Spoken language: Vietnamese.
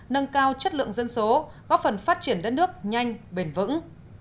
nâng cao chất lượng dân số góp phần phát triển đất nước nhanh bền vững